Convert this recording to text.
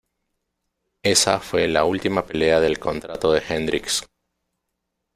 Esa fue la última pelea del contrato de Hendricks.